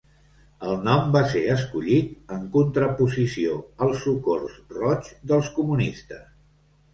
El nom va ser escollit en contraposició al Socors Roig dels comunistes.